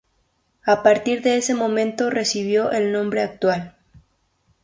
A partir de ese momento recibió el nombre actual.